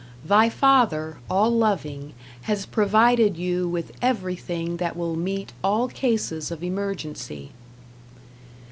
Thy Father, all loving, has provided, you with everything that will meet all cases of emergency.